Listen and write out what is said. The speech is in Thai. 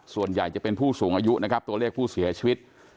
ส่วนใหญ่จะเป็นผู้สูงอายุนะครับตัวเลขผู้เสียชีวิต